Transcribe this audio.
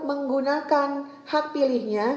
menggunakan hak pilihnya